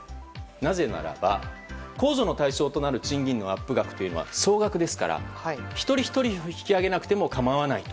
なぜならば控除の対象となる賃金のアップ額というのは総額ですから一人ひとり引き上げなくても構わないと。